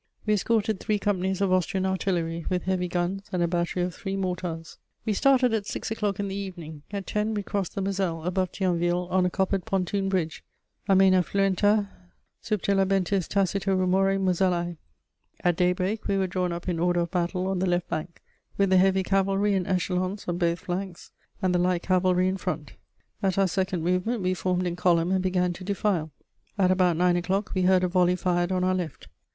We escorted three companies of Austrian artillery with heavy guns and a battery of three mortars. We started at six o'clock in the evening; at ten we crossed the Moselle, above Thionville, on a coppered pontoon bridge: Amæna fluenta Subterlabentis tacito rumore Mosellæ. At daybreak, we were drawn up in order of battle on the left bank, with the heavy cavalry in echelons on both flanks, and the light cavalry in front. At our second movement, we formed in column and began to defile. At about nine o'clock, we heard a volley fired on our left.